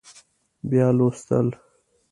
بیا لوستل